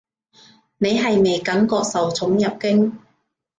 你係咪感覺受寵若驚？